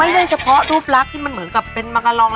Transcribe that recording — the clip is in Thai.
เฉพาะรูปลักษณ์ที่มันเหมือนกับเป็นมะกะลอง